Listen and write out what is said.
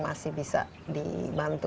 masih bisa dibantu